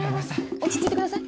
落ち着いてください。